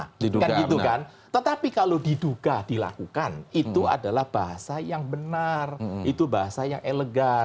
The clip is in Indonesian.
kan gitu kan tetapi kalau diduga dilakukan itu adalah bahasa yang benar itu bahasa yang elegan